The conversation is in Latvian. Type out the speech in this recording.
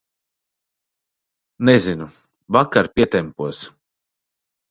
Nezinu, vakar pietempos.